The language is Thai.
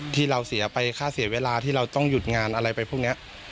ที่เราเสียไปค่าเสียเวลาที่เราต้องหยุดงานอะไรไปพวกนี้